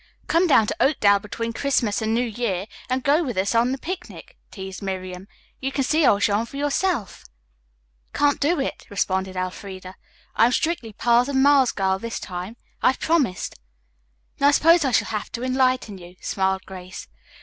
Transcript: "Come down to Oakdale between Christmas and New Year and go with us on the picnic," teased Miriam. "You can see old Jean for yourself." "Can't do it," responded Elfreda. "I am strictly Pa's and Ma's girl this time. I've promised." "Then I suppose I shall have to enlighten you," smiled Grace.